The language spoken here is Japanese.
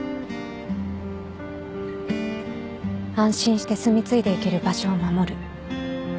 安心して住み継いでいける場所を守る。